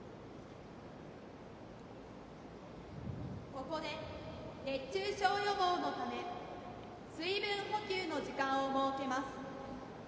ここで熱中症予防のため水分補給の時間を設けます。